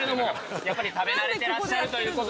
やっぱり食べ慣れてらっしゃるということで。